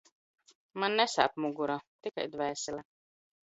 Man nesāp mugura, tikai dvēsele…